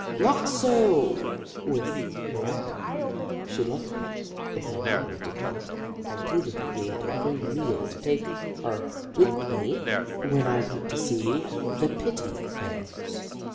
Not so with Miranda. She loved me, if her mother did not, and pleaded with me at every meal to take her with me when I went to see the " pitty Bears."